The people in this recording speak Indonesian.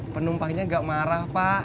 penumpangnya gak marah pak